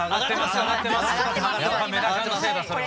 やっぱメダカのせいだそれは。